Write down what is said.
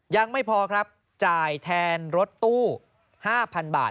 ยังไม่พอครับจ่ายแทนรถตู้๕๐๐๐บาท